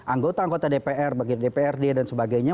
anggota anggota dpr bagi dprd dan sebagainya